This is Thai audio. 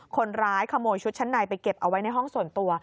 คนร้ายขโมยชุดชั้นในไปเก็บเอาไว้ในห้องส่วนตัว